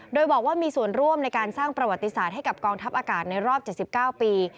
โดยบอกว่ามีส่วนร่วมในการสร้างประวัติศาสตร์ให้กับกองทัพอากาศในรอบ๗๙ปี